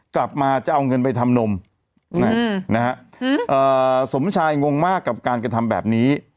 กลับมาจะเอาเงินไปทำนมสมชายงงมากกับการกระทำแบบนี้